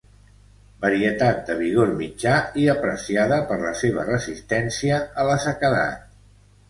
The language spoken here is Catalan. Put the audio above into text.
Varietat de vigor mitjà i apreciada per la seva resistència a la sequedat.